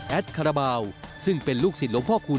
คาราบาลซึ่งเป็นลูกศิษย์หลวงพ่อคูณ